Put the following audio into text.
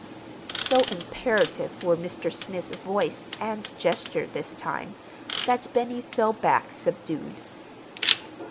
So imperative were Mr. Smith's voice and gesture this time that Benny fell back subdued.